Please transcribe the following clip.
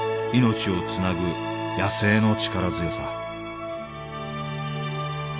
命をつなぐ野生の力強さ